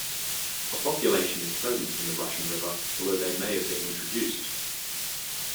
A population is present in the Russian River, although they may have been introduced.